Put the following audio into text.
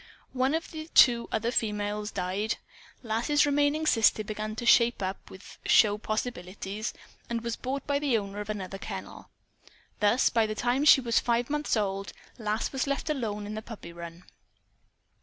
One of the two other females died. Lass's remaining sister began to "shape up" with show possibilities, and was bought by the owner of another kennel. Thus, by the time she was five months old, Lass was left alone in the puppy run.